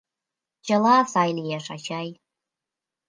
Чыла сай лиеш, ачай.